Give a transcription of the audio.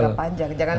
harus jangka panjang